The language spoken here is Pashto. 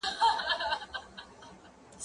سفر د خلکو له خوا کيږي!.